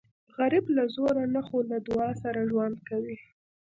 غریب له زوره نه خو له دعا سره ژوند کوي